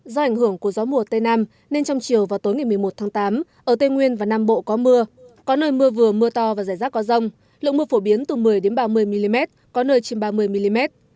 do ảnh hưởng của gió mùa tây nam nên trong chiều và tối ngày một mươi một tháng tám ở tây nguyên và nam bộ có mưa có nơi mưa vừa mưa to và rải rác có rông lượng mưa phổ biến từ một mươi ba mươi mm có nơi trên ba mươi mm